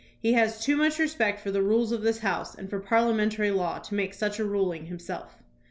He has too much respect for the rules of this House and for parliamentary law to make such a ruling himself."